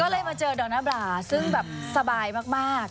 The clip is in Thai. ก็เลยมาเจอดอนาบราซึ่งแบบสบายมาก